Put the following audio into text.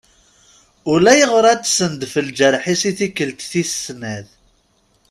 Ulayɣer ad d-sendef lǧerḥ-is i tikkelt tis snat.